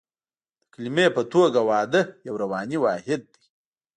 د کلمې په توګه واده یو رواني واحد دی